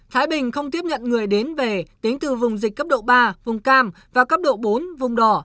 thái bình không tiếp nhận người đến về tính từ vùng dịch cấp độ ba vùng cam và cấp độ bốn vùng đỏ